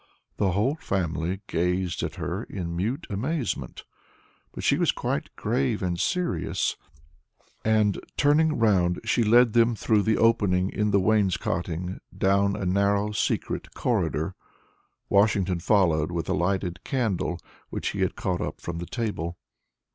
The whole family gazed at her in mute amazement, but she was quite grave and serious; and, turning round, she led them through the opening in the wainscoting down a narrow secret corridor, Washington following with a lighted candle, which he had caught up from the table.